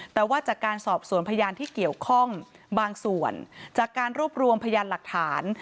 แต่ว่าจากการสอบสวนพยานที่เกี่ยวข้องบางส่วนจากการรวบรวมพยานหลักฐาน